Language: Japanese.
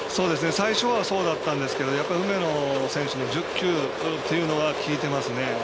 最初はそうだったんですが梅野選手の１０球というのが効いてますね。